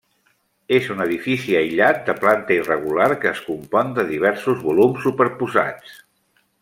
És un edifici aïllat de planta irregular que es compon de diversos volums superposats.